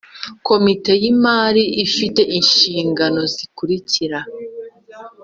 Komite y imari ifite inshingano zikurikira